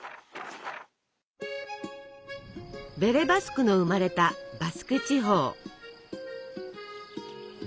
ベレ・バスクの生まれたバスク地方。